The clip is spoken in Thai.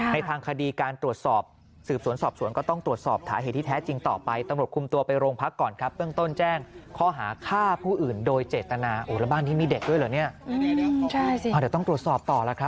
ในทางคดีการตรวจสอบสืบสวนสอบสวนก็ต้องตรวจสอบ